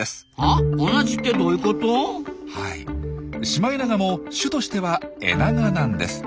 シマエナガも種としてはエナガなんです。